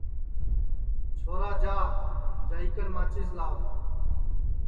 چھورا جا جائی کن ماچِس لاو